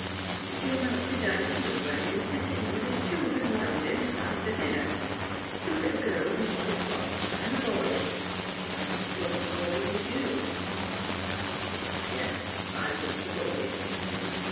He came out of the dining room, where he was sitting, with his children round him, after dinner — two little girls in white frocks, and a boy. I suppose the boy was you 1 '' Yes, I was the boy.